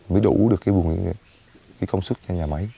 mới đủ được công suất nhà máy